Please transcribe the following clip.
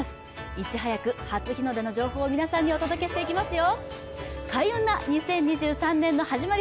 いち早く初日の出の情報を皆さんにお届けしていきますよ。